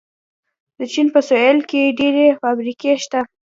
د چین په سویل کې ډېرې فابریکې شته.